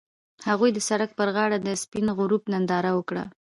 هغوی د سړک پر غاړه د سپین غروب ننداره وکړه.